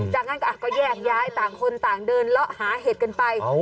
จากนั้นก็แยกย้ายต่างคนต่างเดินเลาะหาเห็ดกันไป